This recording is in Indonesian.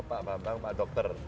pak bambang pak dokter